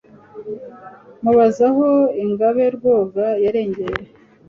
mubaza aho ingabe rwoga yarengeye